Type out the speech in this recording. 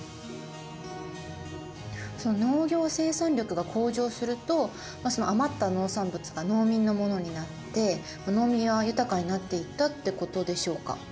農業生産力が向上すると余った農産物が農民のものになって農民は豊かになっていったってことでしょうか。